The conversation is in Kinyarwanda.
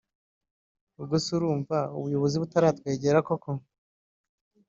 ubwo se urumva ubuyobozi butaratwegereye koko”